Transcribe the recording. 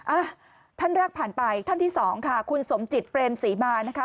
อ่ะท่านแรกผ่านไปท่านที่สองค่ะคุณสมจิตเปรมศรีมานะคะ